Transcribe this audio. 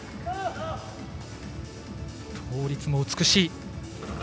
倒立も美しい。